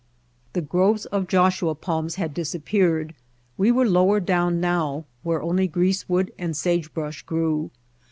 The groves of Joshua palms had disappeared; we were lower down now where only greasewood and sagebrush grew.